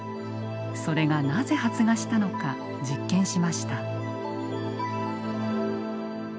それがなぜ発芽したのか実験しました。